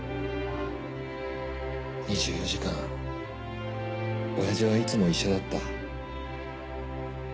２４時間おやじはいつも医者だった。